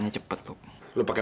kenapa semua kanbangan gitu kita